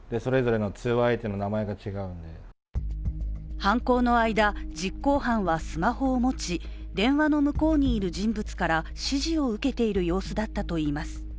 犯行の間、実行犯はスマホを持ち、電話の向こうにいる人物から指示を受けている様子だったといいます。